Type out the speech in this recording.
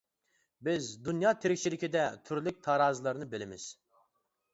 بىز دۇنيا تىرىكچىلىكىدە تۈرلۈك تارازىلارنى بىلىمىز.